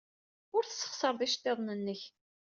Ur tessexṣareḍ iceḍḍiḍen-nnek.